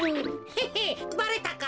ヘヘッばれたか。